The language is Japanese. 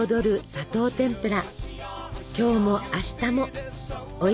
「砂糖てんぷら」。